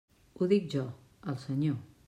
Ho dic jo, el Senyor.